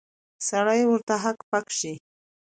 سړی ورته هک پک شي.